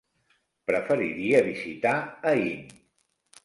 Preferiria visitar Aín.